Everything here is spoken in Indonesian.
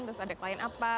terus ada klien apa